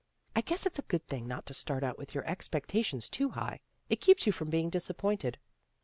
I guess it's a good thing not to start out with your expectations too high. It keeps you from being disappointed."